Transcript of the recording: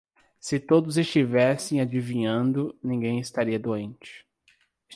Se todos estivessem adivinhando, ninguém estaria doente.